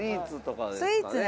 スイーツね。